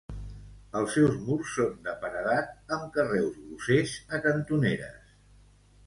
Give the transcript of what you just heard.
Els seus murs són de paredat amb carreus grossers a cantoneres.